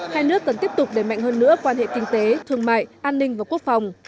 hai nước cần tiếp tục đẩy mạnh hơn nữa quan hệ kinh tế thương mại an ninh và quốc phòng